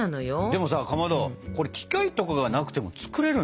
でもさかまどこれ機械とかがなくても作れるんだね。